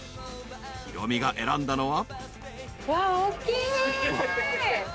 ［ヒロミが選んだのは］